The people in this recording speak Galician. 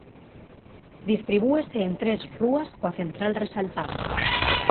Distribúese en tres rúas coa central resaltada.